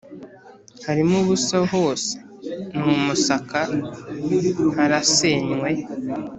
Harimo ubusa hose ni umusaka harasenywe